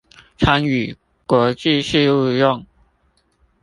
參與國際事務用